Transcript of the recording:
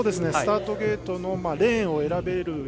スタートゲートのレーンを選べる。